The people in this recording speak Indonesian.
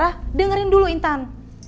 iyah dengerin dulu intan